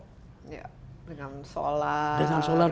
dengan solar dengan solar